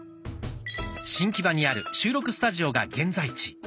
新木場にある収録スタジオが現在地。